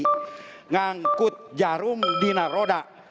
mengangkut jarum di roda